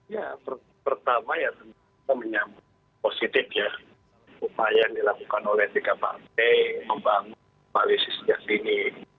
ya pertama ya tentu kita menyambut positif ya upaya yang dilakukan oleh tiga partai membangun koalisi sejak dini